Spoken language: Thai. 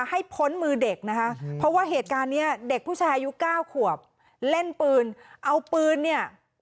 พ้นมือเด็กนะคะเพราะว่าเหตุการณ์เนี้ยเด็กผู้ชายอายุเก้าขวบเล่นปืนเอาปืนเนี่ย